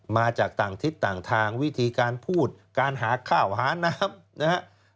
มาจากต่างทิศต่างทางวิธีการพูดการหาข้าวหาน้ำนะครับ